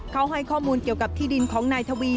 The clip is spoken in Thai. เขาให้ข้อมูลเกี่ยวกับที่ดินของนายทวี